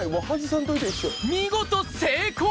見事成功！